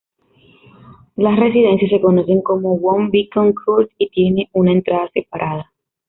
Las residencias se conocen como One Beacon Court y tienen una entrada separada.